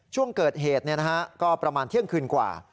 ช่วงเกิดเหตุก็ประมาณเที่ยงคืนกว่า